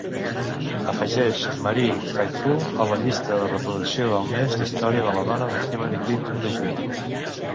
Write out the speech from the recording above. Afegeix Marianne Faithfull a la llista de reproducció del Mes d'Història de la Dona de Hillary Clinton de juny.